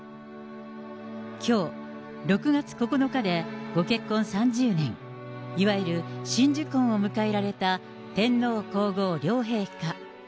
きょう６月９日でご結婚３０年、いわゆる真珠婚を迎えられた天皇皇后両陛下。